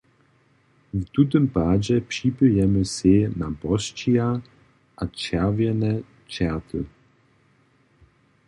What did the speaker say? W tutym padźe připijemy sej na Bosćija a Čerwjene čerty.